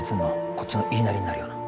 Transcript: こっちの言いなりになるような。